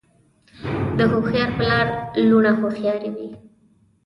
د هوښیار پلار لوڼه هوښیارې وي.